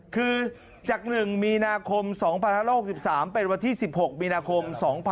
คือจาก๑มีนาคม๒๕๖๓เป็นวันที่๑๖มีนาคม๒๕๖๒